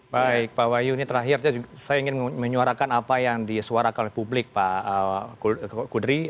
baik pak wahyu ini terakhir saya ingin menyuarakan apa yang disuarakan oleh publik pak kudri